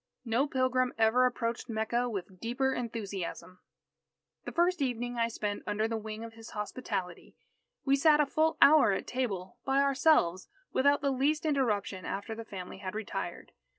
No pilgrim ever approached Mecca with deeper enthusiasm. The first evening I spent under the wing of his hospitality, we sat a full hour at table, by ourselves, without the least interruption after the family had retired.